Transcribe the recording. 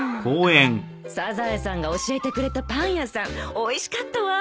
サザエさんが教えてくれたパン屋さんおいしかったわ。